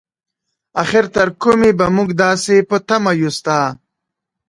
اخر تر کومې به مونږ داسې په تمه يو ستا؟